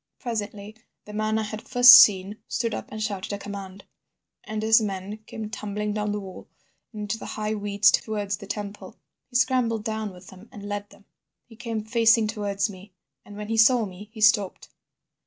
"Presently the man I had first seen stood up and shouted a command, and his men came tumbling down the wall and into the high weeds towards the temple. He scrambled down with them and led them. He came facing towards me, and when he saw me he stopped.